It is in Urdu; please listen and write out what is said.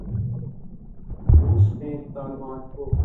روس نے طالبان کو